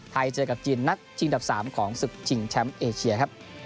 เจอกับจีนนัดชิงดับ๓ของศึกชิงแชมป์เอเชียครับ